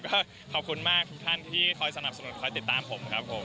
ก็ขอบคุณมากทุกท่านที่คอยสนับสนุนคอยติดตามผมครับผม